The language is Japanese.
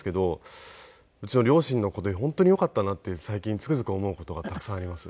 うちの両親の子で本当によかったなって最近つくづく思う事がたくさんあります。